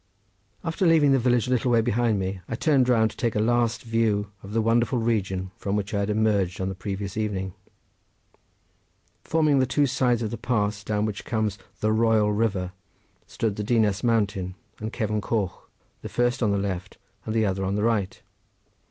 After leaving the village a little way behind me I turned round to take a last view of the wonderful region from which I had emerged on the previous evening. Forming the two sides of the pass down which comes "the royal river" stood the Dinas mountain and Cefn Coch, the first on the left, and the other on the right.